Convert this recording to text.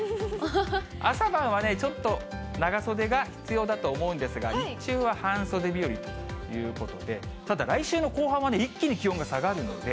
朝晩はね、ちょっと長袖が必要だと思うんですが、日中は半袖日和ということで、ただ来週の後半は一気に気温が下がるので。